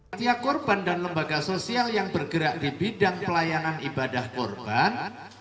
ketia kurban dan lembaga sosial yang bergerak di bidang pelayanan ibadah kurban